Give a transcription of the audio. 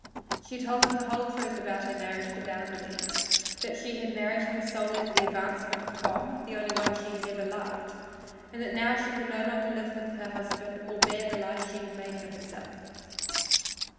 She told him the whole truth about her marriage to Bounderby that she had married him solely for the advancement of Tom, the only one she had ever loved and that now she could no longer live with her husband or bear the life she had made for herself.